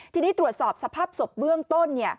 ทีนี้ตรวจสอบสภาพศพเบื้องต้น